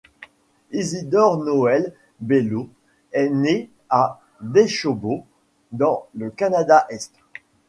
Isidore-Noël Belleau est né à Deschambault, dans le Canada-Est.